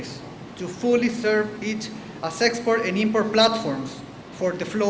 untuk berfungsi secara sepenuhnya sebagai platform ekspor dan impor